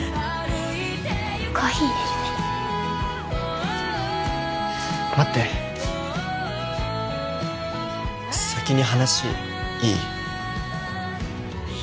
コーヒー入れるね待って先に話いい？